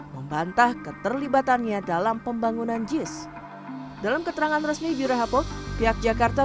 membantah keterlibatannya dalam pembangunan jis dalam keterangan resmi birahap pihak jakarta